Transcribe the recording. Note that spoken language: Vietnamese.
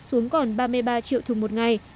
xuống còn ba mươi ba triệu thùng một ngày